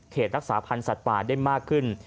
รักษาพันธ์สัตว์ป่าได้มากขึ้น